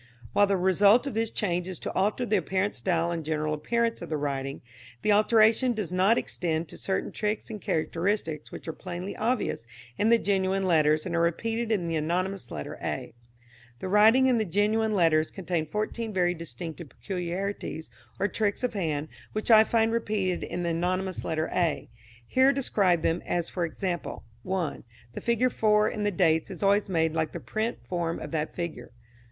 While the result of this change is to alter the apparent style and general appearance of the writing, the alteration does not extend to certain tricks and characteristics which are plainly obvious in the genuine letters and are repeated in the anonymous letter A. The writing in the genuine letters contains fourteen very distinctive peculiarities, or tricks of hand, which I find repeated in the anonymous letter A. (Here describe them, as for example.) 1. The figure 4 in the dates is always made like the print form of that figure.